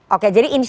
oke jadi insya allah